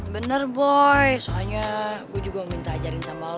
bener boy soalnya gue juga mau minta ajarin sama lo